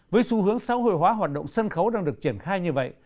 với xu hướng xã hội hóa hoạt động sân khấu đang được triển khai như vậy